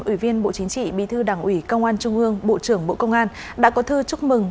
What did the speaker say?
ủy viên bộ chính trị bí thư đảng ủy công an trung ương bộ trưởng bộ công an đã có thư chúc mừng